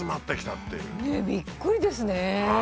びっくりですね。